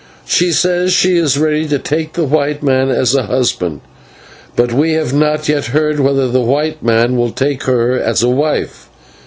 She says she is ready to take the white man as a husband, but we have not yet heard whether the white man will take her as a wife.